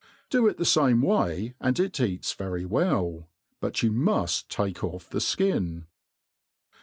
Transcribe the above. . BO it the fame way, and it eats very well. But you muft take off the ikin.